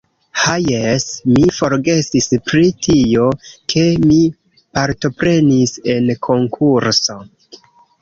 Ha jes, mi forgesis pri tio, ke mi partoprenis en konkurso